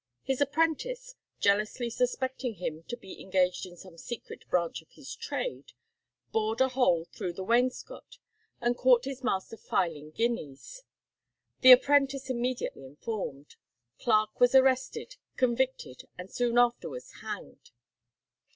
His apprentice, jealously suspecting him to be engaged in some secret branch of his trade, bored a hole through the wainscot, and caught his master filing guineas. The apprentice immediately informed; Clarke was arrested, convicted, and soon afterwards hanged.